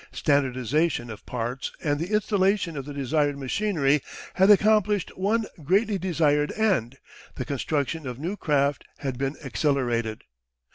Standardisation of parts and the installation of the desired machinery had accomplished one greatly desired end the construction of new craft had been accelerated.